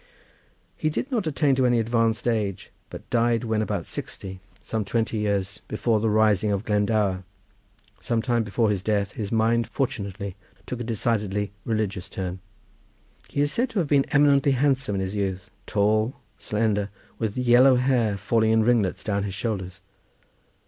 He did not attain to any advanced age, but died when about sixty, some twenty years before the rising of Glendower. Some time before his death his mind fortunately took a decidedly religious turn. He is said to have been eminently handsome in his youth, tall, slender, with yellow hair falling in ringlets down his shoulders.